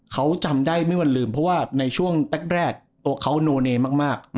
เขาจำได้ไม่วันลืมเพราะว่าในช่วงแรกตัวเขาโนเนมาก